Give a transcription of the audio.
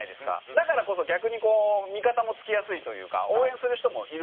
だからこそ逆にこう味方も付きやすいというか応援する人もいると思う。